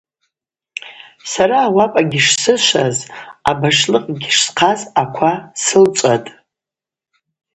Сара ауапӏагьи шсышваз, абашлыкъгьи шсхъаз аква сылчӏватӏ.